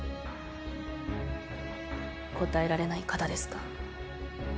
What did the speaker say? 答えられない方ですか。